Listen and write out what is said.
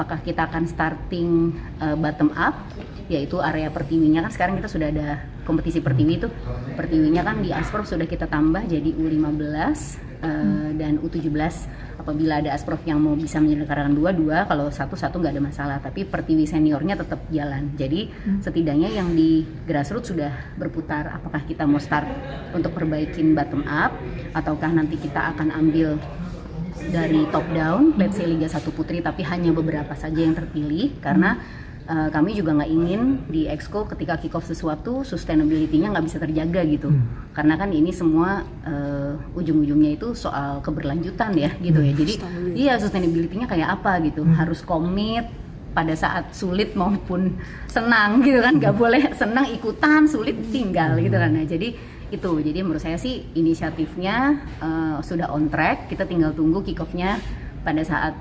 akan bersifat profesional atau berangkat dari level semi profesional terlebih dahulu seperti di thailand